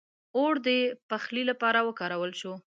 • اور د پخلي لپاره وکارول شو.